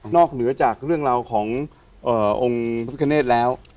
นอกเหนือจากเรื่องราวของเอ่อองค์พระพิฆเนตแล้ว